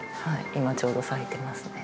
今ちょうど咲いてますね。